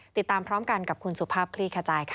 ติดตามพร้อมกันกับคุณสุภาพคลี่ขจายค่ะ